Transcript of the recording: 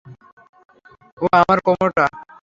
ওহ, আমার কোমরটা।